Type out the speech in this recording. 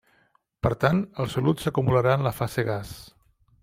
Per tant el solut s'acumularà en la fase gas.